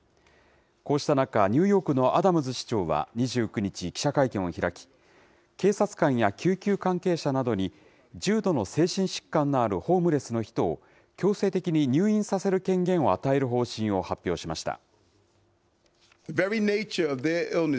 こうした中、ニューヨークのアダムズ市長は２９日、記者会見を開き、警察官や救急関係者などに、重度の精神疾患のあるホームレスの人を、強制的に入院させる権限を与える方針を発表しました。